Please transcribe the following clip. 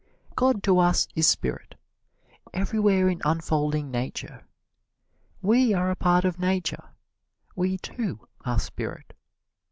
God to us is Spirit, realized everywhere in unfolding Nature. We are a part of Nature we, too, are Spirit.